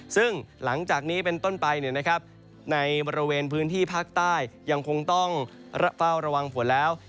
ซึ่งหลังจากนี้เป็นต้นไปในบริเวณพื้นที่ภาคใต้ยังคงต้องเฝ้าระวังฝนแล้ว